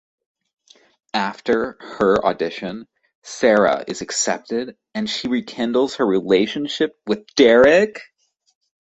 After her audition, Sara is accepted and she rekindles her relationship with Derek.